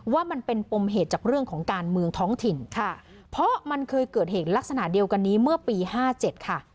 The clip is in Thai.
ว่ามันเป็นปมเหตุจากเรื่องของการเมืองท้องถิ่นค่ะเพราะมันเคยเกิดเหตุลักษณะเดียวกันนี้เมื่อปีห้าเจ็ดค่ะ